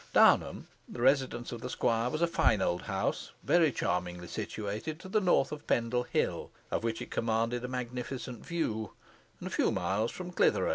Downham, the residence of the squire, was a fine old house, very charmingly situated to the north of Pendle Hill, of which it commanded a magnificent view, and a few miles from Clithero.